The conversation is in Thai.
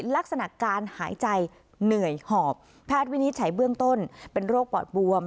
ลักษณะการหายใจเหนื่อยหอบแพทย์วินิจฉัยเบื้องต้นเป็นโรคปอดบวม